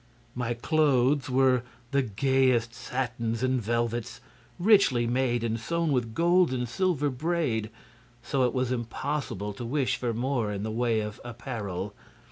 My clothes were the gayest satins and velvets, richly made and sewn with gold and silver braid; so it was impossible to wish for more in the way of apparel.